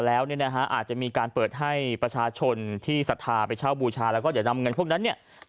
และก็เดี๋ยวจะนำเงินพวกนั้นเนี่ย